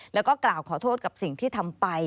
แล้วก็กล่าวขอโทษกับสิ่งที่ทำไป